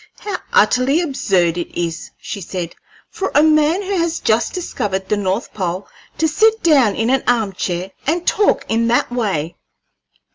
"How utterly absurd it is," she said, "for a man who has just discovered the north pole to sit down in an arm chair and talk in that way!"